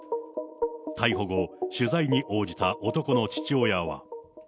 逮捕後、取材に応じた男の父親は。